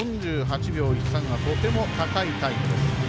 ４８秒１３がとても高いタイムです。